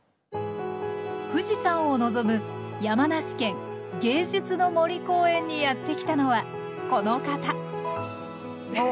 富士山を望む山梨県芸術の森公園にやって来たのはこの方おう